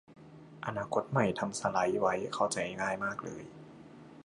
อนาคตใหม่ทำสไลด์ไว้เข้าใจง่ายมากเลย